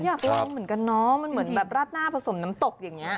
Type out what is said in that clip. อยากลองเหมือนกันเนาะมันเหมือนแบบราดหน้าผสมน้ำตกอย่างนี้